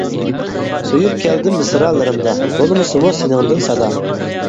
سۆيۈپ كەلدىم مىسرالىرىمدا، بولمىسىمۇ سېنىڭدىن سادا.